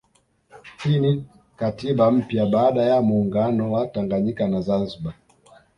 Hii ni katiba mpya baada ya muungano wa Tanganyika na Zanzibari